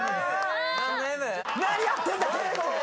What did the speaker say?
何やってんだ景瑚！